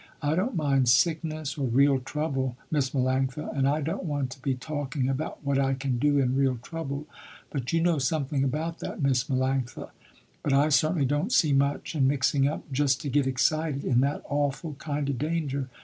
I don't mind sickness or real trouble Miss Melanctha, and I don't want to be talking about what I can do in real trouble, but you know something about that Miss Melanctha, but I certainly don't see much in mixing up just to get excited, in that awful kind of danger.